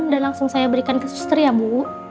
dan langsung saya berikan ke sustri ya bu